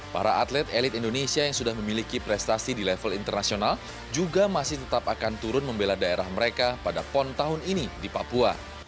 para atlet elit indonesia yang sudah memiliki prestasi di level internasional juga masih tetap akan turun membela daerah mereka pada pon tahun ini di papua